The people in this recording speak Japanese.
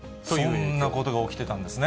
そんなことが起きてたんですね。